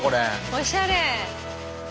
おしゃれ。